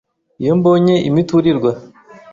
Iyo mbonye imiturirwa